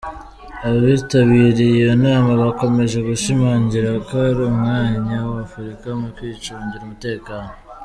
Abitabiriye iyo nama, bakomeje gushimangira ko ari umwanya wa Afurika mu kwicungira umutekano.